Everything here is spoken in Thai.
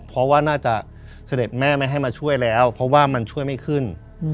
เพราะว่าน่าจะเสด็จแม่ไม่ให้มาช่วยแล้วเพราะว่ามันช่วยไม่ขึ้น